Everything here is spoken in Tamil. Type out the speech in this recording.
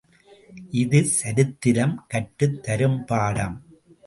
இது சரித்திரம் கற்றுத் தரும் பாடம்.